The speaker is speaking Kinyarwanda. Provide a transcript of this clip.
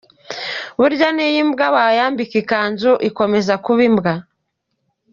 Burya n’iyo imbwa wayambika ikanzu ikomeza kuba imbwa.